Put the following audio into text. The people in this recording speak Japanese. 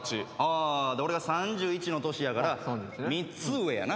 あ俺が３１の年やから３つ上やな。